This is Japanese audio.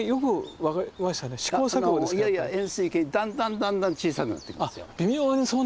いやいや円すい形にだんだんだんだん小さくなっていくんですよ。